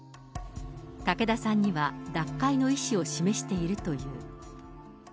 武田さんには脱会の意思を示しているという。